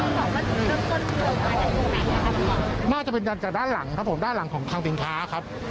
ครับผมน่าจะเป็นจากด้านหลังครับผมด้านหลังของคลังสินค้าครับ